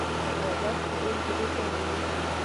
آیا بلخ په اوړي کې ډیر ګرم وي؟